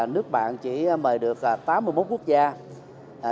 nước bạn chỉ mời được tám mươi một quốc gia